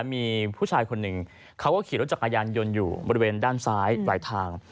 มีผู้ชายคนหนึ่งเขาก็ขี่รถจักรยานยนต์อยู่บริเวณด้านซ้ายหลายทาง